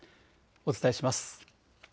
お伝えします。